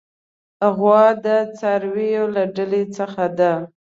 غوا د څارویو له ډلې څخه ده.